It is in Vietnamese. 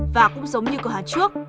và cũng giống như cửa hàng trước